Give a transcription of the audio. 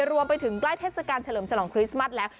รวมไปถึงใกล้เทศกาลเฉลิมฉลองคริสต์มัสแล้ว